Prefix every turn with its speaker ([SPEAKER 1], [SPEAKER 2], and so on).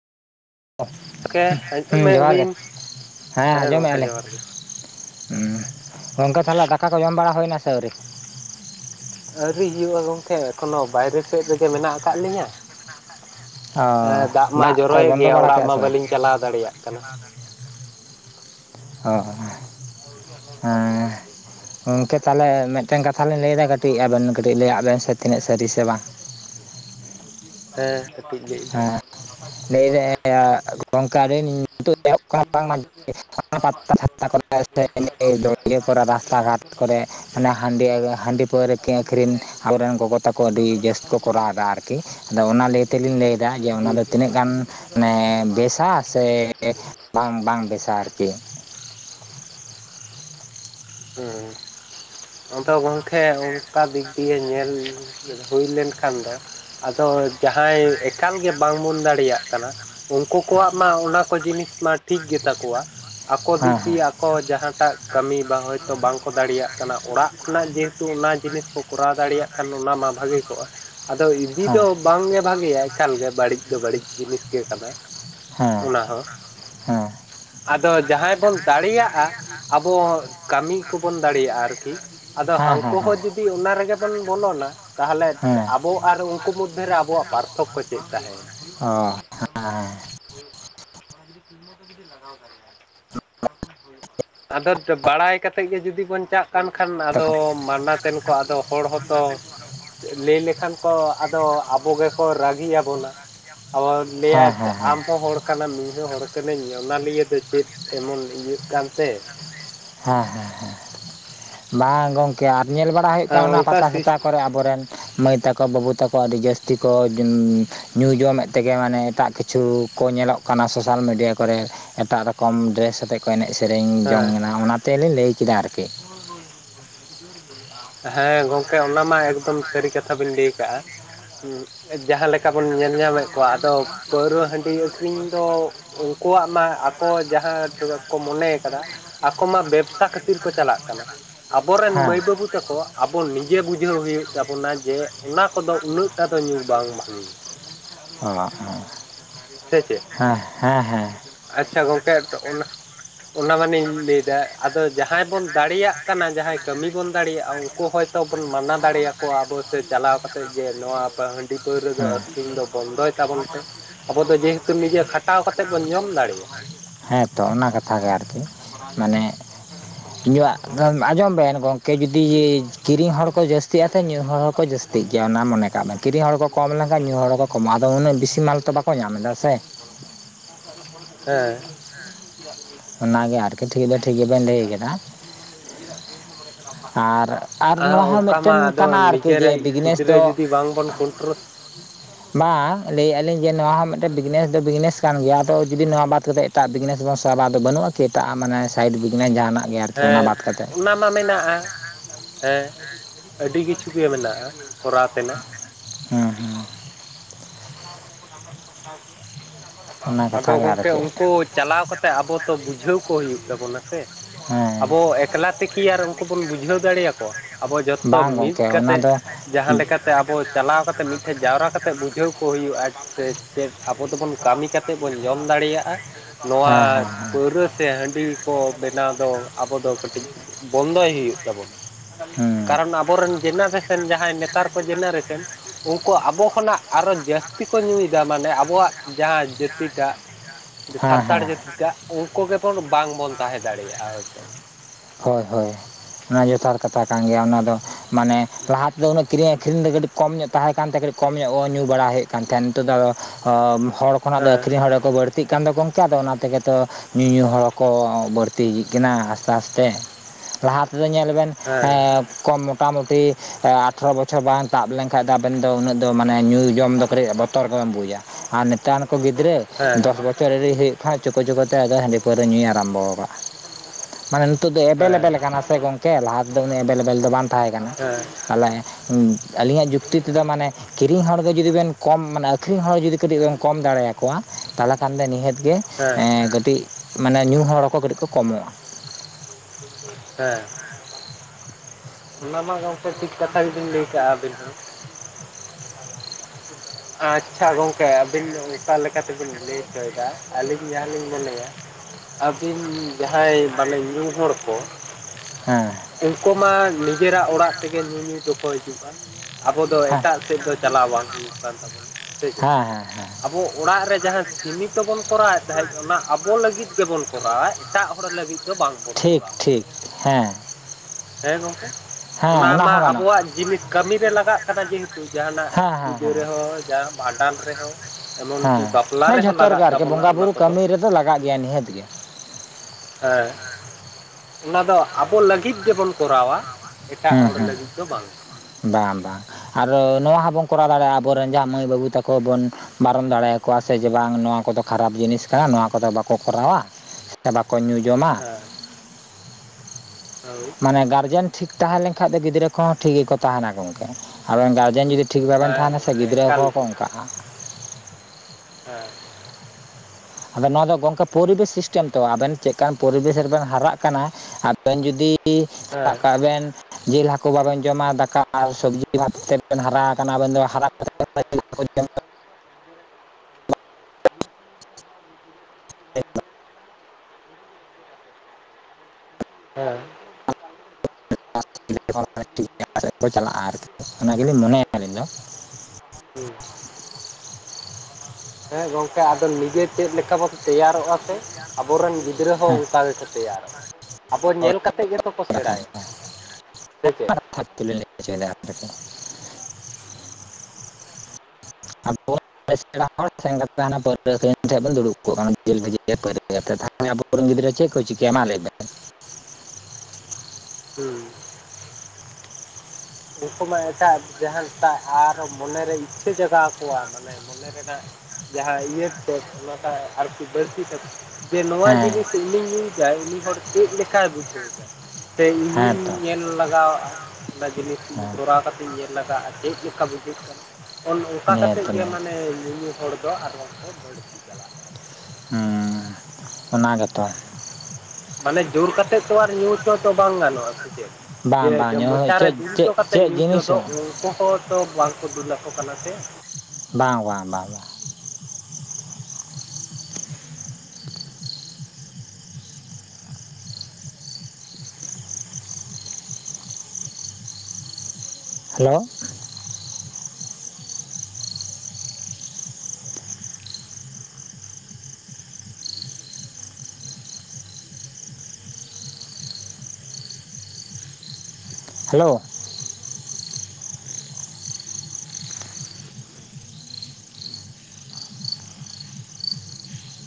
[SPEAKER 1] ᱜᱚᱝᱠᱮ ᱦᱤᱡᱩᱜ ᱢᱮ
[SPEAKER 2] ᱦᱩᱸ ᱡᱚᱦᱟᱨ ᱜᱮ᱾
[SPEAKER 1] ᱟᱹᱵᱤᱱ
[SPEAKER 2] ᱦᱮᱸ ᱟᱸᱡᱚᱢᱮᱫᱼᱟ
[SPEAKER 1] ᱜᱚᱝᱠᱮ
[SPEAKER 2] ᱞᱤᱧ᱾
[SPEAKER 1] ᱡᱚᱦᱟᱨ ᱜᱮ
[SPEAKER 2] ᱦᱩᱸ᱾ ᱜᱚᱝᱠᱮ ᱛᱟᱦᱞᱮ ᱫᱟᱠᱟ ᱠᱚ ᱡᱚᱢ ᱵᱟᱲᱟ ᱦᱩᱭᱱᱟ ᱥᱮ ᱟᱣᱨᱤ?
[SPEAKER 1] ᱟᱹᱣᱨᱤ ᱦᱩᱭᱩᱜᱼᱟ ᱜᱚᱝᱠᱷᱮ ᱮᱠᱷᱚᱱᱚ ᱵᱟᱭᱨᱮ ᱥᱮᱫ ᱨᱮᱜᱮ ᱢᱮᱱᱟᱜ ᱟᱠᱟᱫ ᱞᱤᱧᱟᱹ᱾
[SPEAKER 2] ᱚ
[SPEAKER 1] ᱮᱸ ᱫᱟᱜ ᱢᱟᱭ
[SPEAKER 2] ᱠᱚᱭ
[SPEAKER 1] ᱡᱚᱨᱚᱭᱮᱫ
[SPEAKER 2] ᱵᱚᱱᱫᱚ
[SPEAKER 1] ᱜᱮᱭᱟ
[SPEAKER 2] ᱵᱟᱲᱟ
[SPEAKER 1] ᱚᱲᱟᱜ
[SPEAKER 2] ᱠᱮᱫᱼᱟ
[SPEAKER 1] ᱢᱟ
[SPEAKER 2] ᱥᱮ ᱵᱟᱝ
[SPEAKER 1] ᱵᱟᱹᱞᱤᱧ ᱪᱟᱞᱟᱣ ᱫᱟᱲᱮᱭᱟᱜ ᱠᱟᱱᱟ᱾
[SPEAKER 2] ᱚ ᱦᱚ [unintelligible]
[SPEAKER 1] ᱩᱱᱤᱭᱟᱜ ᱢᱮᱱ ᱫᱚ ᱟᱵᱮᱱ ᱞᱮᱠᱟ ᱜᱮᱠᱤᱱ
[SPEAKER 2] ᱜᱚᱝᱠᱮ ᱛᱟᱦᱚᱞᱮ ᱢᱤᱫᱴᱮᱱ ᱠᱟᱛᱷᱟ ᱞᱤᱧ ᱞᱟᱹᱭᱫᱟ, ᱠᱟᱹᱴᱤᱡ ᱟᱵᱮᱱ ᱠᱟᱹᱴᱤᱡ ᱞᱟᱹᱭᱟᱫ ᱵᱮᱱ ᱥᱮ ᱛᱤᱱᱟᱹᱜ ᱥᱟᱹᱨᱤ ᱥᱮ ᱵᱟᱝ᱾
[SPEAKER 1] ᱦᱮᱸ ᱠᱟᱹᱴᱤᱡ ᱜᱮ ᱤᱧ ᱫᱩᱧ
[SPEAKER 2] [unintelligible] [unintelligible] ᱠᱤ ᱟᱹᱠᱷᱨᱤᱧ ᱟᱵᱚᱨᱮᱱ ᱜᱚᱜᱚ ᱛᱟᱠᱚ ᱟᱹᱰᱤ ᱡᱟᱹᱥᱛᱤ ᱠᱚ ᱠᱚᱨᱟᱣ ᱮᱫᱟ ᱟᱨᱠᱤ᱾ ᱟᱫᱚ ᱚᱱᱟ ᱞᱟᱹᱭ ᱛᱮᱞᱤᱧ ᱞᱟᱹᱭ ᱮᱫᱟ ᱡᱮ ᱚᱱᱟ ᱫᱚ
[SPEAKER 1] ᱦᱩᱸ
[SPEAKER 2] ᱛᱤᱱᱟᱹᱜ ᱜᱟᱱ ᱢᱟᱱᱮ ᱵᱮᱥᱟ ᱥᱮ ᱵᱟᱝ ᱵᱟᱝ ᱵᱮᱥᱟ ᱟᱨᱠᱤ᱾
[SPEAKER 1] ᱦᱩᱸ᱾ ᱟᱫᱚ ᱜᱚᱝᱠᱮ ᱚᱱᱠᱟ ᱫᱤᱠ ᱫᱤᱭᱮ ᱧᱮᱞ ᱦᱩᱭ ᱞᱮᱱ ᱠᱷᱟᱱ ᱫᱚ ᱟᱫᱚ ᱡᱟᱦᱟᱸᱭ ᱮᱠᱟᱞ ᱜᱮ ᱵᱟᱝᱵᱚᱱ ᱫᱟᱲᱮᱭᱟᱜ ᱠᱟᱱᱟ, ᱩᱱᱠᱩ ᱠᱚᱣᱟᱜ ᱢᱟ ᱚᱱᱟ ᱠᱚ ᱡᱤᱱᱤᱥ ᱢᱟ ᱴᱷᱤᱠ ᱜᱮᱛᱟ ᱠᱚᱣᱟ᱾ ᱟᱠᱚ
[SPEAKER 2] ᱦᱮᱸ
[SPEAKER 1] ᱫᱤᱠ ᱫᱤᱭᱮ ᱟᱠᱚ ᱡᱟᱦᱟᱸᱴᱟᱜ ᱠᱟᱹᱢᱤ ᱵᱟ ᱦᱳᱭ ᱛᱚ ᱵᱟᱝᱠᱚ ᱫᱟᱲᱮᱭᱟᱜ ᱠᱟᱱᱟ ᱚᱲᱟᱜ ᱠᱷᱚᱱᱟᱜ ᱡᱮᱦᱮᱛᱩ ᱚᱱᱟ ᱡᱤᱱᱤᱥ ᱠᱚ ᱠᱚᱨᱟᱣ ᱫᱟᱲᱮᱭᱟᱜ ᱠᱷᱟᱱ ᱚᱱᱟ ᱢᱟ ᱵᱷᱟᱹᱜᱮ ᱠᱚᱜᱼᱟ᱾ ᱟᱫᱚ ᱤᱫᱤ
[SPEAKER 2] ᱦᱮᱸ
[SPEAKER 1] ᱫᱚ ᱵᱟᱝᱜᱮ ᱵᱷᱟᱜᱮᱭᱟ ᱮᱠᱟᱞ ᱜᱮ ᱵᱟᱹᱲᱤᱡ ᱫᱚ ᱵᱟᱹᱲᱤᱡ ᱡᱤᱱᱤᱥ ᱜᱮ ᱠᱟᱱᱟ
[SPEAKER 2] ᱦᱮᱸ
[SPEAKER 1] ᱚᱱᱟ ᱦᱚᱸ᱾
[SPEAKER 2] ᱦᱮᱸ ᱦᱮᱸ
[SPEAKER 1] ᱟᱫᱚ ᱡᱟᱦᱟᱸᱭ ᱵᱚᱱ ᱫᱟᱲᱮᱭᱟᱜᱼᱟ ᱟᱵᱚ ᱠᱟᱹᱢᱤ ᱠᱚᱵᱚᱱ ᱫᱟᱲᱮᱭᱟᱜᱼᱟ ᱟᱨᱠᱤ᱾ ᱟᱫᱚ
[SPEAKER 2] ᱦᱮᱸ
[SPEAKER 1] ᱦᱟᱱᱠᱩ ᱦᱚᱸ ᱡᱩᱫ ᱫᱤ ᱚᱱᱟ ᱨᱮᱜᱮ ᱵᱚᱱ ᱵᱚᱞᱚᱱᱟ ᱛᱟᱦᱚᱞᱮ ᱟᱵᱚ ᱟᱨ ᱩᱱ ᱠᱩ ᱢᱚᱫᱽᱫᱷᱮ ᱨᱮ ᱟᱵᱚᱣᱟᱜ ᱯᱟᱨᱛᱷᱚᱠᱠᱚ ᱠᱚ ᱪᱮᱫ ᱛᱟᱦᱮᱸᱭᱱᱟ᱾
[SPEAKER 2] ᱚ᱾ ᱦᱮᱸ
[SPEAKER 1] [unintelligible] ᱟᱫᱚ ᱵᱟᱲᱟᱭ ᱠᱟᱛᱮ ᱜᱮ ᱡᱩᱫᱤ ᱵᱚᱱ ᱪᱟᱜ ᱠᱟᱱ ᱠᱷᱟᱱ ᱟᱫᱚ
[SPEAKER 2] ᱛᱟᱠᱚ ᱦᱮᱸ
[SPEAKER 1] ᱢᱟᱱᱱᱟᱛᱮᱱ ᱠᱚ ᱟᱫᱚ ᱦᱚᱲ ᱦᱚᱸᱛᱚ ᱞᱟᱹᱭ ᱞᱮᱠᱷᱟᱱ ᱠᱚ ᱟᱫᱚ ᱟᱵᱚ ᱜᱮᱠᱚ ᱨᱟᱹᱜᱤ ᱟᱵᱚᱱᱟ᱾ ᱟᱵᱚᱨ ᱞᱟᱹᱭᱟᱭ
[SPEAKER 2] ᱦᱮᱸ ᱦᱮᱸ
[SPEAKER 1] ᱟᱢᱦᱚᱸ ᱦᱚᱲ ᱠᱟᱱᱟᱢ ᱤᱧᱦᱚᱸ ᱦᱚᱲ ᱠᱟᱹᱱᱟᱹᱧ ᱚᱱᱟ ᱞᱤᱭ ᱫᱚ ᱪᱮᱫ ᱮᱢᱚᱱ ᱤᱧᱟᱹᱜ ᱠᱟᱱ ᱛᱮ᱾
[SPEAKER 2] ᱦᱚᱸ ᱦᱚᱸ ᱦᱚᱸ᱾ ᱵᱟᱝ ᱜᱚᱝᱠᱮ ᱟᱨ ᱧᱮᱞ ᱵᱟᱲᱟ ᱦᱩᱭᱩᱜ ᱠᱟᱱᱟ ᱚᱱᱟ
[SPEAKER 1] ᱚᱱᱠᱟ ᱥᱤᱥ
[SPEAKER 2] ᱯᱟᱛᱟ-ᱪᱷᱟᱛᱟ ᱠᱚᱨᱮ ᱟᱵᱚᱨᱮᱱ ᱢᱟᱹᱭ ᱛᱟᱠᱚ, ᱵᱟᱹᱵᱩ ᱛᱟᱠᱚ ᱟᱹᱰᱤ ᱡᱟᱹᱥᱛᱤ ᱠᱚ ᱧᱩ ᱡᱚᱢᱮᱫ ᱛᱮᱜᱮ ᱢᱟᱱᱮ ᱮᱴᱟᱜ ᱠᱤᱪᱷᱩ ᱠᱚ ᱧᱮᱞᱚᱜ ᱠᱟᱱᱟ ᱥᱳᱥᱟᱞ ᱢᱤᱰᱤᱭᱟ ᱠᱚᱨᱮ᱾ ᱮᱴᱟᱜ ᱨᱚᱠᱚᱢ ᱰᱨᱮᱥ ᱟᱛᱮᱜ ᱠᱚ ᱮᱱᱮᱡ ᱥᱮᱨᱮᱧ
[SPEAKER 1] ᱦᱮᱸ
[SPEAKER 2] ᱡᱚᱝ ᱠᱟᱱᱟ ᱚᱱᱟ ᱛᱮᱞᱤᱧ ᱞᱟᱹᱭ ᱠᱮᱫᱟ ᱟᱨᱠᱤ᱾ [inaudible]
[SPEAKER 1] ᱦᱮᱸ ᱜᱚᱢᱠᱮ ᱚᱱᱟ ᱢᱟ ᱮᱠᱫᱚᱢ ᱥᱟᱹᱨᱤ ᱠᱟᱛᱷᱟ ᱵᱮᱤᱱ ᱞᱟᱹᱭ ᱠᱟᱜᱼᱟ᱾ ᱡᱟᱦᱟᱸ ᱞᱮᱠᱟ ᱵᱚᱱ ᱧᱮᱞ ᱧᱟᱢᱮᱫ ᱠᱚᱣᱟ, ᱟᱫᱚ ᱯᱟᱹᱣᱨᱟᱹ ᱦᱟᱺᱰᱤ ᱟᱹᱠᱷᱨᱤᱧ ᱫᱚ ᱩᱱᱠᱩᱣᱟᱜ ᱢᱟ ᱟᱠᱚ ᱡᱟᱦᱟᱸ ᱴᱩᱭᱟᱠ ᱠᱚ ᱢᱚᱱᱮ ᱟᱠᱟᱫᱟ ᱟᱠᱚ ᱢᱟ ᱵᱮᱵᱽᱥᱟ ᱠᱷᱟᱹᱛᱤᱨ ᱠᱚ ᱪᱟᱞᱟᱜ ᱠᱟᱱᱟ᱾ ᱟᱵᱚᱨᱮᱱ
[SPEAKER 2] ᱦᱮᱸ
[SPEAKER 1] ᱢᱟᱹᱭ ᱵᱟᱹᱵᱩ ᱛᱟᱠᱚᱭᱟ ᱟᱵᱚ ᱱᱤᱡᱮ ᱵᱩᱡᱷᱟᱹᱣ ᱦᱩᱭᱩᱜ ᱛᱟᱵᱚᱱᱟ ᱡᱮ ᱚᱱᱟ ᱠᱚᱫᱚ ᱩᱱᱟᱹᱜ ᱴᱟ ᱫᱚ ᱧᱩ ᱵᱟᱝ ᱵᱷᱟᱜᱮ
[SPEAKER 2] ᱚᱸ ᱦᱮᱸ
[SPEAKER 1] ᱥᱮ ᱪᱮᱜ,
[SPEAKER 2] ᱦᱮᱸ ᱦᱮᱸ ᱦᱮᱸ
[SPEAKER 1] ᱟᱪᱪᱷᱟ ᱜᱚᱝᱠᱮ ᱚᱱᱟ ᱚᱱᱟ ᱢᱟᱱᱤᱧ ᱞᱟᱹᱭᱫᱟ ᱟᱫᱚ ᱡᱟᱦᱟᱸᱭ ᱵᱚᱱ ᱫᱟᱲᱮᱭᱟᱜ ᱠᱟᱱᱟ ᱡᱟᱦᱟᱸᱭ ᱠᱟᱹᱢᱤ ᱵᱚᱱ ᱫᱟᱲᱮᱭᱟᱜᱼᱟ ᱩᱝᱠᱩ ᱦᱚᱭᱛᱳ ᱵᱚᱱ ᱢᱟᱱᱟ ᱫᱟᱲᱮᱭᱟ ᱠᱚᱣᱟ ᱟᱵᱚ ᱥᱮ ᱪᱟᱞᱟᱣ ᱯᱟᱥᱮᱜ ᱡᱮ ᱱᱚᱣᱟ ᱦᱟᱺᱰᱤ ᱯᱟᱹᱣᱨᱟᱹ ᱫᱚ
[SPEAKER 2] ᱦᱮᱸ
[SPEAKER 1] ᱟᱹᱠᱷᱨᱤᱧ ᱫᱚ ᱵᱚᱱᱫᱚᱭ ᱛᱟᱵᱚᱱ ᱯᱮ᱾ ᱟᱵᱚ ᱫᱚ ᱡᱮᱦᱮᱛᱩ ᱱᱤᱡᱮ ᱠᱷᱟᱴᱟᱣ ᱠᱟᱛᱮᱜ ᱵᱚᱱ ᱡᱚᱢ ᱫᱟᱲᱮᱭᱟᱜᱼᱟ,
[SPEAKER 2] ᱦᱮᱸ ᱛᱚ ᱚᱱᱟ ᱠᱟᱛᱷᱟ ᱜᱮ ᱟᱨᱠᱤ ᱢᱟᱱᱮ ᱤᱧᱟᱜ ᱫᱚᱢ ᱟᱸᱡᱚᱢ ᱵᱮᱱ ᱜᱚᱝᱠᱮ ᱡᱩᱫ ᱫᱤ ᱠᱤᱨᱤᱧ ᱦᱚᱲ ᱠᱚ ᱡᱟᱹᱥᱛᱤᱜᱼᱟ ᱛᱚ ᱧᱩ ᱦᱚᱲ ᱦᱚᱸᱠᱚ ᱡᱟᱹᱥᱛᱤᱜ ᱜᱮᱭᱟ ᱚᱱᱟ ᱢᱚᱱᱮ ᱠᱟᱜ ᱢᱮ ᱠᱤᱨᱤᱧ ᱦᱚᱲ ᱠᱚ ᱠᱚᱢ ᱞᱮᱱᱠᱷᱟᱱ ᱧᱩ ᱦᱚᱲ ᱦᱚᱸᱠᱚ ᱠᱚᱢᱚᱜᱟ ᱟᱫᱚ ᱩᱱᱟᱹᱜ ᱵᱤᱥᱤ ᱢᱟᱞ ᱛᱚ ᱵᱟᱠᱚ ᱧᱟᱢ ᱮᱫᱟ ᱥᱮ᱾
[SPEAKER 1] ᱦᱮᱸ
[SPEAKER 2] ᱚᱱᱟᱜᱮ ᱟᱨᱠᱤ ᱴᱷᱤᱠ ᱫᱚ ᱴᱷᱤᱠ ᱜᱮᱵᱮᱱ ᱞᱟᱹᱭ ᱠᱟᱫᱟ᱾
[SPEAKER 1] ᱵᱷᱩᱞ ᱢᱟᱱᱮ ᱱᱤᱡᱮᱨᱟᱜ ᱵᱷᱩᱞ ᱦᱚᱸ ᱢᱟᱱᱮ,
[SPEAKER 2] ᱟᱨ
[SPEAKER 1] ᱟ
[SPEAKER 2] ᱱᱚᱣᱟ ᱦᱚᱸ
[SPEAKER 1] ᱚᱝᱠᱟ ᱢᱟ
[SPEAKER 2] ᱢᱤᱫᱴᱮᱱ
[SPEAKER 1] ᱟᱫᱚ
[SPEAKER 2] ᱠᱟᱱᱟ ᱟᱨᱠᱤ ᱡᱮ
[SPEAKER 1] ᱱᱤᱡᱮᱨᱟᱜ
[SPEAKER 2] ᱵᱤᱡᱽᱱᱮᱥ
[SPEAKER 1] ᱜᱤᱫᱽᱨᱟᱹ
[SPEAKER 2] ᱫᱚ
[SPEAKER 1] ᱡᱩᱫᱤ ᱵᱟᱝᱵᱚᱱ ᱠᱚᱱᱴᱨᱳᱞ [inaudible]
[SPEAKER 2] ᱵᱟᱝ ᱞᱟᱹᱭᱮᱜ ᱞᱤᱧ ᱡᱮ ᱱᱚᱣᱟ ᱦᱚᱸ ᱢᱤᱜᱴᱮᱜ ᱵᱤᱡᱽᱱᱮᱥ ᱫᱚ ᱵᱤᱜᱽᱱᱮᱥ ᱠᱟᱱ ᱜᱮᱭᱟ᱾ ᱟᱫᱚ ᱡᱩᱫᱤ ᱱᱚᱣᱟ ᱵᱟᱫ ᱠᱟᱛᱮᱫ ᱮᱴᱟᱜ ᱵᱤᱡᱽᱱᱮᱥ ᱵᱚᱱ ᱥᱮᱵᱟ ᱟᱫᱚ ᱵᱟᱹᱱᱩᱜᱼᱟ ᱠᱤ ᱮᱴᱟᱼᱟᱜ ᱢᱟᱱᱮ ᱥᱟᱭᱤᱰ ᱵᱤᱜᱱᱮ ᱡᱟᱦᱟᱸᱱᱟᱜ
[SPEAKER 1] ᱦᱮᱸ ᱚᱱᱟᱯ ᱚᱱᱟ ᱢᱮᱱᱟᱜᱼᱟ ᱦᱮᱸ ᱟᱹᱰᱤ ᱠᱤᱪᱷᱩ ᱜᱮ ᱢᱮᱱᱟᱜᱼᱟ ᱠᱚᱨᱟᱣ ᱛᱮᱱᱟᱜ᱾
[SPEAKER 2] ᱦᱮᱸ ᱦᱮᱸ ᱦᱮᱸ ᱚᱱᱟ ᱠᱟᱛᱷᱟ
[SPEAKER 1] ᱟᱫᱚ
[SPEAKER 2] ᱜᱮ
[SPEAKER 1] ᱜᱚᱝᱠᱮ
[SPEAKER 2] ᱟᱨᱠᱤ
[SPEAKER 1] ᱩᱝᱠᱩ ᱪᱟᱞᱟᱣ ᱠᱟᱛᱮᱜ ᱟᱵᱚ ᱛᱚ ᱵᱩᱡᱷᱟᱹᱣ ᱠᱚ ᱦᱩᱭᱩᱜ ᱛᱟᱵᱚᱱᱟ ᱥᱮ,
[SPEAKER 2] ᱦᱮᱸ
[SPEAKER 1] ᱟᱵᱚ ᱮᱠᱞᱟ ᱛᱤᱠᱤ ᱟᱨ ᱩᱱᱠᱩ ᱵᱚᱱ ᱵᱩᱡᱷᱟᱹᱣ ᱫᱟᱲᱮᱭᱟ ᱠᱚᱣᱟ ᱟᱵᱚ ᱡᱚᱛᱚ
[SPEAKER 2] ᱵᱟᱝ
[SPEAKER 1] ᱢᱤᱫ
[SPEAKER 2] ᱜᱚᱢᱠᱮ ᱚᱱᱟ
[SPEAKER 1] ᱠᱟᱛᱮᱫ
[SPEAKER 2] ᱫᱚ
[SPEAKER 1] ᱡᱟᱦᱟᱸ ᱞᱮᱠᱟᱛ ᱛᱮ ᱟᱵᱚ ᱪᱟᱞᱟᱣ ᱠᱟᱛᱮᱜ ᱢᱤᱜᱴᱷᱮᱜ ᱡᱟᱣᱨᱟ ᱠᱟᱛᱮᱜ ᱵᱩᱡᱷᱟᱹᱣ ᱠᱚ ᱦᱩᱭᱩᱜᱼᱟ ᱥᱮ ᱪᱮᱜ ᱟᱵᱚ ᱫᱚᱵᱚᱱ ᱠᱟᱹᱢᱤ ᱠᱟᱛ ᱛᱮᱜ ᱵᱚᱱ ᱡᱚᱢ ᱫᱟᱲᱮᱭᱟᱜᱼᱟ
[SPEAKER 2] ᱦᱮᱸ
[SPEAKER 1] ᱱᱚᱣᱟ
[SPEAKER 2] ᱦᱮᱸ
[SPEAKER 1] ᱯᱟᱹᱣᱨᱟᱹ ᱥᱮ ᱦᱟᱺᱰᱤ ᱠᱚ ᱵᱮᱱᱟᱣ ᱫᱚ ᱟᱵᱚ ᱫᱚ ᱠᱟᱹᱴᱤᱜ ᱵᱚᱱᱫᱚᱭ ᱦᱩᱭᱩᱜ ᱛᱟᱵᱚᱱᱟ᱾
[SPEAKER 2] ᱦᱮᱸ
[SPEAKER 1] ᱠᱟᱨᱚᱱ ᱟᱵᱚᱨᱮᱱ ᱡᱮᱱᱟᱨᱮᱥᱮᱱ ᱡᱟᱦᱟᱸᱭ ᱱᱮᱛ ᱛᱟᱨ ᱠᱚ ᱡᱮᱱᱟᱨᱮᱥᱮᱱ ᱩᱱᱠᱩ ᱟᱵᱚ ᱠᱷᱚᱱᱟᱜ ᱟᱨᱚ ᱡᱟᱹᱥᱛᱤ ᱠᱚ ᱧᱩᱭ ᱫᱟ ᱢᱟᱱᱮ ᱟᱵᱚᱣᱟᱜ ᱡᱟᱦᱟᱸ ᱡᱟᱹᱛᱤᱴᱟᱜ
[SPEAKER 2] ᱦᱮᱸ
[SPEAKER 1] ᱥᱟᱱᱛᱟᱲ
[SPEAKER 2] ᱦᱮᱸ
[SPEAKER 1] ᱡᱟᱹᱛᱤᱴᱟᱜ ᱩᱝᱠᱩ ᱜᱮᱵᱚᱱ ᱵᱟᱝ ᱵᱚᱱ ᱛᱟᱦᱮᱸ ᱫᱟᱲᱮᱭᱟᱜᱼᱟ ᱦᱚᱭᱛᱚ᱾
[SPEAKER 2] ᱦᱳᱭ ᱦᱳᱭ ᱚᱱᱟ ᱡᱚᱛᱷᱟᱛ ᱠᱟᱛᱷᱟ ᱠᱟᱱ ᱜᱮᱭᱟ ᱚᱱᱟ ᱫᱚ ᱢᱟᱱᱮ ᱞᱟᱦᱟᱛ ᱱᱤᱛ ᱫᱚ ᱩᱱᱟᱹᱜ ᱠᱤᱨᱤᱧ ᱟᱹᱠᱷᱨᱤᱧ ᱫᱚ ᱠᱟᱹᱴᱤᱜ ᱠᱚᱢ ᱧᱚᱜ ᱛᱟᱦᱮᱸ ᱠᱟᱱ ᱛᱟᱦᱮᱸᱫ ᱠᱟᱹᱴᱤᱜ ᱠᱚᱢ ᱧᱚᱜ ᱵᱚ ᱧᱩ ᱵᱟᱲᱟᱭᱮᱜ ᱠᱟᱱ ᱛᱟᱦᱮᱸᱱ ᱱᱤᱛᱚᱜ ᱫᱚ ᱦᱚᱢ ᱦᱚᱲ ᱠᱷᱚᱱᱟᱜ ᱫᱚ
[SPEAKER 1] ᱦᱮᱸ
[SPEAKER 2] ᱟᱹᱠᱷᱨᱤᱧ ᱦᱚᱲ ᱜᱮ ᱠᱚ ᱵᱟᱹᱲ ᱛᱤᱜ ᱠᱟᱱ ᱫᱚ ᱜᱚᱝᱠᱮ ᱟᱫᱚ ᱚᱱᱟ ᱛᱮᱜᱮ ᱛᱚ ᱧᱩᱧᱩ ᱦᱚᱲ ᱠᱚ ᱵᱟᱹᱲᱛᱤ ᱤᱫᱤᱜ ᱠᱟᱱᱟ ᱟᱥᱛᱮ ᱟᱥ ᱛᱮ ᱞᱟᱦᱟ ᱛᱮᱫᱚ ᱧᱮᱞ ᱵᱮᱱ
[SPEAKER 1] ᱦᱮᱸ
[SPEAKER 2] ᱠᱚᱢ ᱢᱚᱴᱟᱢᱩᱴᱤ ᱟᱴᱷᱚᱨᱚ ᱵᱚᱪᱷᱚᱨ ᱵᱟᱝ ᱛᱟᱵ ᱞᱮᱱᱠᱷᱟᱭ ᱫᱚ ᱟᱵᱮᱱ ᱫᱚ ᱩᱱᱟᱹᱜ ᱫᱚ ᱢᱟᱱᱮ ᱧᱩ ᱡᱚᱢ ᱫᱚ ᱠᱟᱹᱴᱤᱜ ᱵᱚᱛᱚᱨ ᱜᱮᱵᱮᱱ ᱵᱩᱡᱟ ᱟᱨ ᱱᱮᱛᱟᱨ ᱠᱚ ᱜᱤᱫᱽᱨᱟᱹ
[SPEAKER 1] ᱦᱮᱸ
[SPEAKER 2] ᱫᱚᱥ ᱵᱚᱪᱷᱚᱨ ᱟᱣᱨᱤ ᱦᱩᱭᱩᱜ ᱠᱷᱚᱭ ᱪᱳᱠᱳ ᱪᱳᱠᱳᱛᱮ ᱟᱫᱚ ᱦᱟᱺᱰᱤ ᱯᱟᱹᱣᱨᱟᱹ ᱧᱩᱭ ᱟᱨᱟᱢᱵᱷᱚ ᱟᱠᱟᱜᱼᱟ ᱢᱟᱱᱮ ᱛᱚᱜ ᱫᱚ ᱮᱵᱮᱞ ᱮᱵᱮᱞ ᱠᱟᱱᱟ ᱥᱮ ᱜᱚᱝᱠᱮ ᱞᱟᱦᱟ ᱛᱮᱫᱚ ᱩᱱᱮ ᱮᱵᱮᱞ ᱮᱵᱮᱞ ᱫᱚ ᱵᱟᱝ ᱛᱟᱦᱮᱸ ᱠᱟᱱᱟ
[SPEAKER 1] ᱦᱮᱸ ᱦᱮᱸ
[SPEAKER 2] ᱛᱟᱞᱮ ᱦᱩᱸ ᱟᱹᱞᱤᱧᱟᱜ ᱡᱩᱠᱛᱤ ᱛᱮᱫᱚ ᱢᱟᱱᱮ ᱠᱤᱨᱤᱧ ᱦᱚᱲ ᱫᱚ ᱡᱩᱫᱤ ᱵᱮᱱ ᱠᱚᱢ ᱢᱟᱱᱮ ᱟᱹᱠᱷᱨᱤᱧ ᱦᱚᱲ ᱡᱩᱫᱤ ᱠᱟᱹᱴᱤᱜ ᱵᱮᱱ ᱠᱚᱢ ᱫᱟᱲᱮᱭᱟᱠᱚᱣᱟ ᱛᱟᱦᱚᱞᱮ ᱠᱷᱟᱱ ᱫᱚ ᱱᱤᱦᱟᱹᱛ ᱜᱮ
[SPEAKER 1] ᱦᱮᱸ
[SPEAKER 2] ᱠᱟᱹᱴᱤᱜ ᱢᱟᱱᱮ ᱧᱩ ᱦᱚᱲ ᱠᱚ ᱠᱟᱹᱴᱤᱜ ᱠᱚ ᱠᱚᱢᱚᱜᱼᱟ᱾
[SPEAKER 1] ᱦᱮᱸ, ᱚᱱᱟ ᱢᱟ ᱜᱚᱝᱠᱮ ᱴᱷᱤᱠ ᱠᱟᱛᱷᱟ ᱜᱮᱵᱤᱱ ᱞᱟᱹᱭ ᱠᱟᱜᱟ ᱟᱹᱵᱤᱱ ᱦᱚᱸ᱾
[SPEAKER 2] [inaudible]
[SPEAKER 1] ᱟᱪᱪᱷᱟ ᱜᱚᱝᱠᱮ ᱟᱹᱵᱤᱱ ᱚᱝᱠᱟ ᱞᱮᱠᱟᱛᱮᱵᱤᱱ ᱞᱟᱹᱭ ᱦᱚᱪᱚᱭᱫᱟ, ᱟᱹᱞᱤᱧ ᱡᱟᱦᱟᱸᱞᱤᱧ ᱢᱚᱱᱮᱭ-ᱟ ᱟᱹᱵᱤᱱ ᱡᱟᱦᱟᱸᱭ ᱢᱟᱱᱮ ᱧᱩ ᱦᱚᱲ ᱠᱚ
[SPEAKER 2] ᱦᱮᱸ
[SPEAKER 1] ᱩᱝᱠᱩ ᱢᱟ ᱱᱤᱡᱮᱨᱟᱜ ᱚᱲᱟᱜ ᱛᱮᱜᱮ ᱧᱩᱧᱩ ᱫᱚᱠᱚ ᱦᱤᱡᱩᱜ-ᱟ ᱾ ᱟᱵᱚ ᱫᱚ
[SPEAKER 2] ᱦᱮᱸ
[SPEAKER 1] ᱮᱴᱟᱜ ᱥᱮᱫ ᱫᱚ ᱪᱟᱞᱟᱣ ᱵᱟᱝ ᱦᱩᱭᱩᱜ ᱠᱟᱱ ᱛᱟᱵᱚᱱᱟ ᱥᱮ ᱪᱮ
[SPEAKER 2] ᱦᱮᱸ ᱦᱮᱸ ᱦᱮᱸ
[SPEAKER 1] ᱾ ᱟᱵᱚ ᱚᱲᱟᱜ ᱨᱮ ᱡᱟᱦᱟᱸ ᱥᱤᱢᱤᱛᱚ ᱵᱚᱱ ᱠᱚᱨᱟᱣᱮᱫ ᱛᱟᱦᱮᱸᱡ ᱚᱱᱟ ᱟᱵᱚ ᱞᱟᱹᱜᱤᱫ ᱜᱮᱵᱚᱱ ᱠᱚᱨᱟᱣᱮᱫ ᱮᱴᱟᱜ ᱦᱚᱲ ᱞᱟᱹᱜᱤᱫ ᱫᱚ ᱵᱟᱝᱵᱚᱱ
[SPEAKER 2] ᱴᱷᱤᱠ
[SPEAKER 1] ᱠᱚᱨᱟᱣᱟ
[SPEAKER 2] ᱴᱷᱤᱠ ᱦᱮᱸ ᱾
[SPEAKER 1] ᱦᱮᱸ ᱜᱚᱝᱠᱮ ᱚᱱᱟ ᱢᱟ
[SPEAKER 2] ᱦᱚᱸ ᱜᱟᱱᱚᱜᱼᱟ
[SPEAKER 1] ᱟᱵᱚᱣᱟᱜ ᱡᱤᱱᱤᱥ ᱠᱟᱹᱢᱤ ᱨᱮ ᱞᱟᱜᱟᱜ ᱠᱟᱱᱟ ᱡᱮ ᱛᱩ ᱡᱟᱦᱟᱱᱟᱜ
[SPEAKER 2] ᱦᱮᱸ ᱦᱮᱸ
[SPEAKER 1] ᱯᱩᱡᱟᱹ
[SPEAKER 2] ᱦᱮᱸ
[SPEAKER 1] ᱨᱮᱦᱚᱸ ᱡᱟ ᱵᱷᱟᱸᱰᱟᱱ ᱨᱮᱦᱚᱸ ᱾ ᱮᱢᱚᱱ ᱠᱤ
[SPEAKER 2] ᱦᱮᱸ
[SPEAKER 1] ᱵᱟᱯᱞᱟ ᱨᱮᱦᱚᱸ ᱞᱟᱜᱟᱜ ᱛᱟᱵᱚᱱ-ᱟ ᱚᱱᱟ ᱠᱚᱫᱚ ᱾
[SPEAKER 2] ᱫᱚ ᱞᱟᱜᱟᱜ ᱜᱮᱭᱟ ᱱᱤᱦᱟᱛ ᱜᱮ ᱾
[SPEAKER 1] ᱦᱮᱸ ᱚᱱᱟ ᱫᱚ ᱟᱵᱚ ᱞᱟᱹᱜᱤᱫ ᱜᱮᱵᱚᱱ ᱠᱚᱨᱟᱣ-ᱟ ᱾ ᱮᱴᱟᱜ
[SPEAKER 2] ᱦᱮᱸ
[SPEAKER 1] ᱦᱚᱲ
[SPEAKER 2] ᱦᱮᱸ
[SPEAKER 1] ᱞᱟᱹᱜᱤᱫ ᱫᱚ ᱵᱟᱝ᱾
[SPEAKER 2] ᱵᱟᱝ ᱵᱟᱝ ᱟᱨ ᱱᱚᱣᱟ ᱦᱚᱸᱵᱚᱱ ᱠᱚᱨᱟᱣ ᱫᱟᱲᱮᱭᱟᱜ-ᱟ ᱟᱵᱚᱨᱮᱱ ᱡᱟᱦᱟ ᱢᱟᱹᱭ ᱵᱟᱹᱵᱩ ᱛᱟᱠᱚ ᱵᱚᱱ ᱵᱟᱨᱚᱱ ᱫᱟᱲᱮᱭᱟᱠᱚᱣ-ᱟ ᱥᱮ ᱡᱮ ᱵᱟᱝ ᱱᱚᱣᱟ ᱠᱚᱫᱚ ᱠᱷᱟᱨᱟᱯ ᱡᱤᱱᱤᱥ ᱠᱟᱱᱟ ᱱᱚᱣᱟ ᱠᱚᱫᱚ ᱵᱟᱠᱚ ᱠᱚᱨᱟᱣ-ᱟ ᱾ ᱥᱮ ᱵᱟᱠᱚ ᱧᱩ ᱡᱚᱢᱟ
[SPEAKER 1] ᱦᱮᱸ ᱦᱳᱭ
[SPEAKER 2] ᱢᱟᱱᱮ ᱜᱟᱨᱡᱮᱱ ᱴᱷᱤᱠ ᱛᱟᱦᱮᱸ ᱞᱮᱱᱠᱷᱟᱡ ᱫᱚ ᱜᱤᱫᱽᱨᱟᱹ ᱠᱚᱦᱚᱸ ᱴᱷᱤᱠ ᱜᱮᱠᱚ ᱛᱟᱦᱮᱱ-ᱟ ᱜᱚᱝᱠᱮ ᱟᱵᱮᱱ ᱜᱟᱨᱡᱮᱱ ᱡᱩᱫᱤ ᱴᱷᱤᱠ ᱵᱟᱵᱮᱱ
[SPEAKER 1] ᱦᱮᱸ
[SPEAKER 2] ᱛᱟᱦᱮᱱ-ᱟ ᱥᱮ
[SPEAKER 1] ᱜᱚᱝᱠᱮ
[SPEAKER 2] ᱜᱤᱫᱽᱨᱟᱹ
[SPEAKER 1] ᱮᱠᱟᱞ
[SPEAKER 2] ᱠᱚᱦᱚᱠᱚ
[SPEAKER 1] ᱜᱮ
[SPEAKER 2] ᱚᱝᱠᱟᱜ-ᱟ ᱾
[SPEAKER 1] ᱦᱮᱸ
[SPEAKER 2] ᱟᱫᱚ ᱱᱚᱣᱟ ᱫᱚ ᱜᱚᱝᱠᱮ ᱯᱚᱨᱤᱵᱮᱥ ᱥᱤᱥᱴᱮᱢ ᱛᱚ ᱟᱵᱮᱱ ᱪᱮᱫᱠᱟᱱ ᱯᱚᱨᱤᱵᱮᱥ ᱨᱮᱵᱮᱱ ᱦᱟᱨᱟᱜ ᱠᱟᱱᱟ ᱟᱵᱮᱱ ᱡᱩᱫᱤ ᱤ ᱥᱟᱵ
[SPEAKER 1] ᱦᱮᱸ
[SPEAKER 2] ᱠᱟᱜ ᱵᱮᱱ ᱡᱮᱞ ᱦᱟᱹᱠᱳ ᱵᱟᱵᱮᱱ ᱡᱚᱢᱟ ᱫᱟᱠᱟ ᱟᱨ ᱥᱚᱵᱽᱡᱤ ᱵᱷᱟᱛ ᱛᱮ ᱵᱮᱱ ᱦᱟᱨᱟ ᱠᱟᱱᱟ ᱟᱵᱮᱱ ᱫᱚ ᱦᱟᱨᱟ [unintelligible]
[SPEAKER 1] [inaudible]
[SPEAKER 2] [unintelligible]
[SPEAKER 1] ᱦᱮᱸ
[SPEAKER 2] [unintelligible] ᱪᱟᱞᱟᱜ-ᱟ ᱟᱨᱠᱤ ᱚᱱᱟ ᱜᱮᱞᱤᱧ ᱢᱚᱱᱮᱭ-ᱟ ᱟᱹᱞᱤᱧ ᱫᱚ ᱾
[SPEAKER 1] ᱦᱩᱸ ᱦᱮᱸ ᱜᱚᱝᱠᱮ ᱟᱫᱚ ᱱᱤᱡᱮ ᱪᱮᱫ ᱞᱮᱠᱟ ᱵᱚᱱ ᱛᱮᱭᱟᱨᱚᱜ-ᱟ ᱛᱮ ᱟᱵᱚᱨᱮᱱ ᱜᱤᱫᱽᱨᱟᱹ ᱦᱚᱸ ᱚᱝᱠᱟ ᱜᱮᱠᱚ ᱛᱮᱭᱟᱨᱚᱜ-ᱟ᱾ ᱟᱵᱚ ᱧᱮᱞ
[SPEAKER 2] ᱦᱚᱪᱚᱭᱮᱫᱟ
[SPEAKER 1] ᱠᱟᱛᱮᱫ ᱜᱮᱛᱚ ᱠᱚ ᱥᱮᱬᱟᱭ-ᱟ ᱥᱮ ᱪᱮᱫ᱾
[SPEAKER 2] [unintelligible] [unintelligible] ᱥᱮᱲᱟ ᱦᱚᱲ ᱥᱮᱱ ᱠᱟᱛᱮ ᱦᱟᱱᱮ ᱯᱟᱹᱣᱨᱟᱹ ᱟᱠᱷᱨᱤᱧ ᱴᱷᱮᱡ ᱵᱚᱱ ᱫᱩᱲᱩᱵ ᱠᱚᱜ ᱠᱟᱱᱟ ᱡᱮᱞ ᱵᱷᱟᱹᱡᱤ ᱟᱨ ᱯᱟᱹᱣᱟᱹ ᱟᱛᱮᱫ [unintelligible] [unintelligible] ᱟᱵᱚ ᱨᱮᱱ ᱜᱤᱫᱽᱨᱟᱹ ᱪᱮᱫ ᱠᱚ ᱪᱤᱠᱟᱹᱭᱟ ᱢᱟ ᱞᱟᱹᱭ ᱵᱮᱱ?
[SPEAKER 1] ᱦᱩᱸ ᱩᱝᱠᱩ ᱢᱟ ᱮᱴᱟᱜ ᱡᱟᱦᱟᱸᱱ ᱴᱟᱜ ᱟᱨ ᱢᱚᱱᱮᱨᱮ ᱤᱪᱪᱷᱟᱹ ᱡᱟᱜᱟᱣ ᱟᱠᱚᱣ-ᱟ ᱢᱟᱱᱮ ᱢᱚᱱᱮ ᱨᱮᱱᱟᱜ ᱡᱟᱦᱟᱸ ᱤᱭᱟᱹ ᱴᱮᱠ ᱚᱱᱟᱴᱟᱜ ᱟᱨᱠᱤ ᱵᱟᱹᱲᱛᱤ [unintelligible] ᱡᱮ ᱱᱚᱣᱟ
[SPEAKER 2] ᱦᱮᱸ
[SPEAKER 1] ᱡᱤᱱᱤᱥ ᱩᱱᱤ ᱧᱩᱭ ᱫᱟᱭ ᱩᱱᱤ ᱦᱚᱲ ᱪᱮᱫ ᱞᱮᱠᱟ [unintelligible] ᱥᱮ
[SPEAKER 2] ᱦᱮᱸ
[SPEAKER 1] ᱤᱧᱦᱩᱧ
[SPEAKER 2] ᱛᱚ
[SPEAKER 1] ᱧᱮᱞ ᱞᱟᱜᱟᱣᱟᱜ-ᱟ ᱚᱱᱟ ᱡᱤᱱᱤᱥ ᱤᱧ
[SPEAKER 2] ᱦᱮᱸ
[SPEAKER 1] ᱠᱟ ᱠᱟᱛᱮᱤᱧ ᱧᱮᱞ ᱞᱟᱜᱟᱜ-ᱟ ᱪᱮᱫ ᱞᱮᱠᱟ ᱵᱩᱡᱷᱟᱹᱜ ᱠᱟᱱᱟ ᱚᱝᱠᱟ
[SPEAKER 2] ᱱᱤᱭᱟᱹ
[SPEAKER 1] ᱠᱟᱛᱮ
[SPEAKER 2] ᱛᱚ
[SPEAKER 1] ᱜᱮ
[SPEAKER 2] ᱱᱤᱭᱟᱹ
[SPEAKER 1] ᱢᱟᱱᱮ ᱧᱩᱧᱩ ᱦᱚᱲ ᱫᱚ ᱟᱫᱚ ᱠᱚ ᱵᱟᱹᱲᱛᱤ ᱪᱟᱞᱟᱜ-ᱟ᱾
[SPEAKER 2] ᱦᱩᱸ ᱚᱱᱟ ᱜᱮᱛᱚ ᱾
[SPEAKER 1] ᱢᱟᱱᱮ ᱡᱳᱨ ᱠᱟᱛᱮᱜ ᱛᱚ ᱟᱨ ᱧᱩ ᱪᱚ ᱛᱚ ᱵᱟᱝ ᱜᱟᱱᱚᱜᱼᱟ ᱥᱮ ᱪᱮᱫ?
[SPEAKER 2] ᱵᱟᱝ ᱵᱟᱝ
[SPEAKER 1] ᱡᱮ
[SPEAKER 2] ᱧᱚᱜ
[SPEAKER 1] ᱢᱚᱪᱟᱨᱮ
[SPEAKER 2] ᱪᱮᱫ
[SPEAKER 1] ᱫᱩᱞ
[SPEAKER 2] ᱪᱮᱫ
[SPEAKER 1] ᱦᱚᱪᱚ ᱠᱟᱛᱮ
[SPEAKER 2] ᱪᱮᱫ
[SPEAKER 1] ᱧᱩ ᱪᱚ
[SPEAKER 2] ᱡᱤᱱᱤᱥ
[SPEAKER 1] ᱫᱚᱼᱼ
[SPEAKER 2] ᱦᱚᱸ
[SPEAKER 1] ᱟᱠᱚ ᱦᱚᱸ ᱛᱚ ᱵᱟᱝᱠᱚ ᱫᱩᱞᱟ ᱠᱚ ᱠᱟᱱᱟ ᱥᱮᱼᱼ
[SPEAKER 2] ᱵᱟᱝ ᱵᱟᱝ ᱵᱟᱝ ᱵᱟᱝᱼᱼ ᱦᱮᱞᱳ? ᱦᱮᱞᱳ?